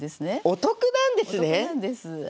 お得なんですはい。